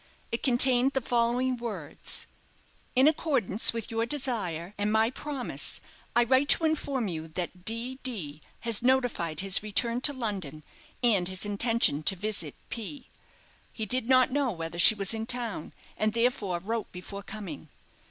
It contained the following words: "_In accordance with your desire, and my promise, I write to inform you that, D. D. has notified his return to London and his intention to visit P. He did not know whether she was in town, and, therefore, wrote before coming.